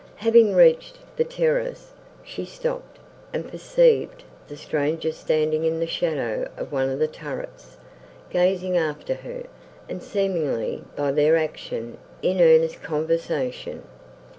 Having reached the terrace, she stopped, and perceived the strangers standing in the shadow of one of the turrets, gazing after her, and seemingly, by their action, in earnest conversation.